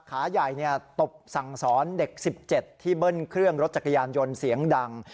ขาใหญ่ตบสั่งสอนเด็ก๑๗ที่เบิ้ลเครื่องรถจักรยานยนต์เสียงดัง